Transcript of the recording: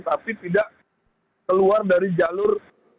tapi tidak keluar dari jalur